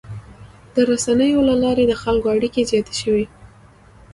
د رسنیو له لارې د خلکو اړیکې زیاتې شوي.